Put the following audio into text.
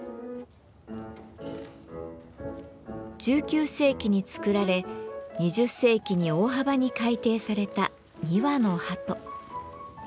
１９世紀に作られ２０世紀に大幅に改訂された「二羽の鳩」。